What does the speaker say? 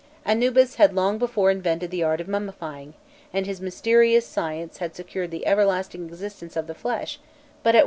Anubis had long before invented the art of mummifying, and his mysterious science had secured the everlasting existence of the flesh; but at what a price!